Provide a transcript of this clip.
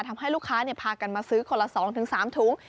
ทำให้ลูกค้าพากันมาซื้อคนละ๒๓ถุง